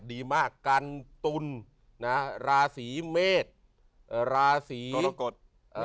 ดีมากกันตุลราศีเมษลาศีโรโกธ